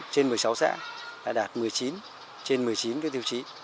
trên một mươi sáu xã đã đạt một mươi chín trên một mươi chín tiêu chí